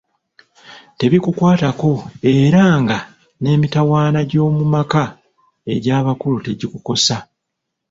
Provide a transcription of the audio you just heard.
Tebikukwatako era nga ne mitawaana gy'omu maka egy'abakulu tegikukosa.